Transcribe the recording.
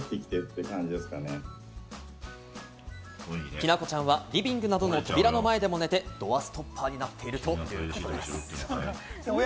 きなこちゃんはリビングなどの扉の前でも寝て、ドアストッパーになっているということです。